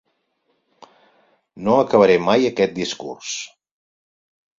No acabaré mai aquest discurs.